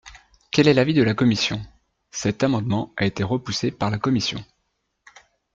Quel est l’avis de la commission ? Cet amendement a été repoussé par la commission.